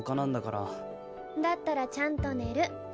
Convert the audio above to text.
だったらちゃんと寝る。